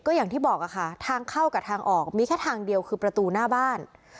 อย่างที่บอกค่ะทางเข้ากับทางออกมีแค่ทางเดียวคือประตูหน้าบ้าน